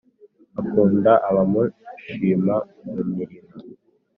Akunda abamushima mumirimo